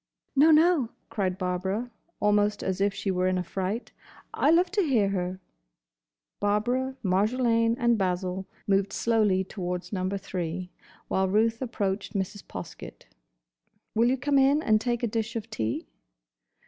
"No, no," cried Barbara, almost as if she were in a fright, "I love to hear her." Barbara, Marjolaine, and Basil moved slowly towards Number Three, while Ruth approached Mrs. Poskett. "Will you come in and take a dish of tea?"